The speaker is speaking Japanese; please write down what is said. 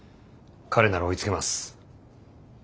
彼なら追いつけます。